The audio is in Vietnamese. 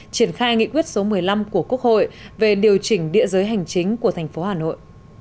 triển khai nghị quyết số một mươi năm của quốc hội về điều chỉnh địa giới hành chính của thành phố hà nội